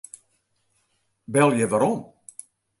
Belje werom.